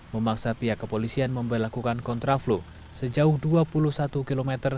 memaksa pihak kepolisian memperlakukan kontraflow sejauh dua puluh satu km